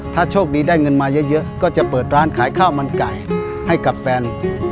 ถ้าโชคดีได้เงินมาเยอะก็จะเปิดร้านขายข้าวมันไก่ให้กับแฟน